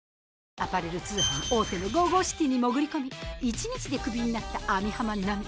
アパレル通販大手のＧＯＧＯＣＩＴＹに潜り込み１日でクビになった網浜奈美。